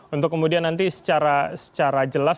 untuk kemudian nanti secara jelas